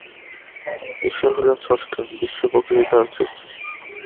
ঈশ্বর হইলেন স্রষ্টা, বিশ্বপ্রকৃতি তাঁহার সৃষ্টি।